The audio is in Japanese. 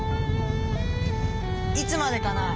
いつまでかなあ。